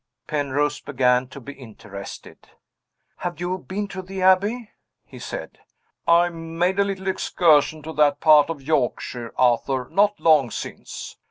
Penrose began to be interested. "Have you been to the Abbey?" he said. "I made a little excursion to that part of Yorkshire, Arthur, not long since.